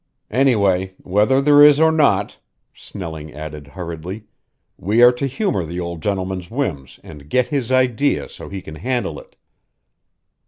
Anyway, whether there is or not," Snelling added hurriedly, "we are to humor the old gentleman's whims and get his idea so he can handle it."